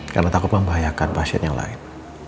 karena takut membahayakan pasien yang lain